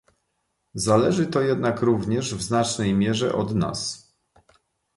Zależy to jednak również w znacznej mierze od nas